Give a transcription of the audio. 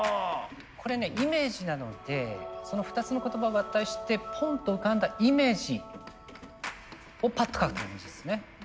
これねイメージなのでその２つの言葉を合体してポンと浮かんだイメージをパッと書く感じですね。